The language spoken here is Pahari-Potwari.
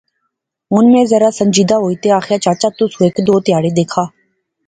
ہن میں ذرا سنجیدہ ہوئی تہ آخیا، چچا۔۔۔ تس ہیک دو تہاڑے دیکھا